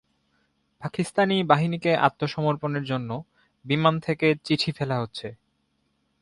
পাকিস্তানি বাহিনীকে আত্মসমর্পণের জন্য বিমান থেকে চিঠি ফেলা হচ্ছে।